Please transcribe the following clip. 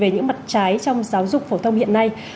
về những mặt trái trong giáo dục phổ thông hiện nay